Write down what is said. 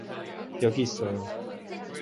여기 있어요.